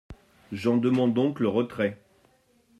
J’en demande donc le retrait.